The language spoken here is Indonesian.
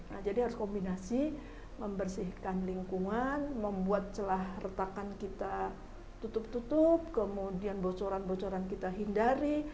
nah jadi harus kombinasi membersihkan lingkungan membuat celah retakan kita tutup tutup kemudian bocoran bocoran kita hindari